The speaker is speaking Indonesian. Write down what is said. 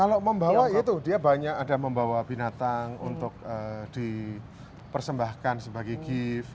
kalau membawa itu dia banyak ada membawa binatang untuk dipersembahkan sebagai gift